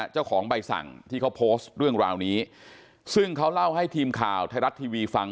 เจ้าของใบสั่งที่เขาโพสต์เรื่องราวนี้ซึ่งเขาเล่าให้ทีมข่าวไทยรัฐทีวีฟัง